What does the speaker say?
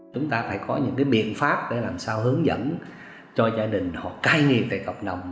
chúng ta phải có những biện pháp để làm sao hướng dẫn cho gia đình họ cai nghiện tại cộng đồng